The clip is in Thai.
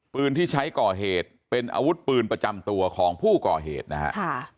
ปืนที่ใช้ก่อเหตุเป็นอาวุธปืนประจำตัวของผู้ก่อเหตุนะฮะ